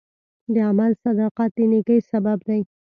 د عمل صداقت د نیکۍ سبب دی.